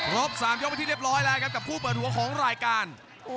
บ๓ยกไปที่เรียบร้อยแล้วครับกับคู่เปิดหัวของรายการ